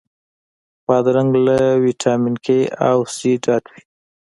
بادرنګ له ویټامین K او C ډک وي.